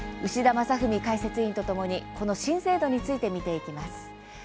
牛田正史解説委員とともにこの新制度について見ていきます。